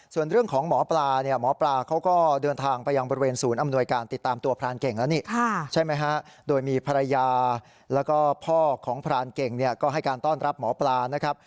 ส่วนเรื่องของหมอปลาเนี่ยหมอปลาเขาก็เดินทางไปยังบริเวณศูนย์อำนวยการติดตามตัวพรานเก่งแล้วนี่ใช่ไหมฮะโดยมีภรรยาแล้วก็พ่อของพรานเก่งเนี่ยก็ให้การต้อนรับหมอปลานะครับ